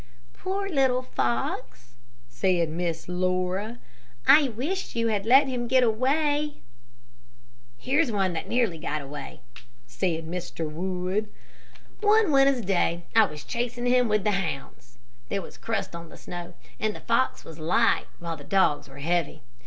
"Poor little fox," said Miss Laura. "I wish you had let him get away." "Here's one that nearly got away," said Mr. Wood. "One winter's day, I was chasing him with the hounds. There was a crust on the snow, and the fox was light, while the dogs were heavy.